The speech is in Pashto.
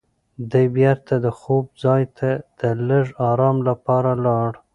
دی بېرته د خوب ځای ته د لږ ارام لپاره لاړ.